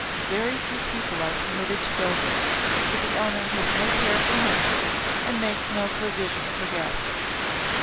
Very few people are permitted to go there, for the owner has no care for money and makes no provision for guests.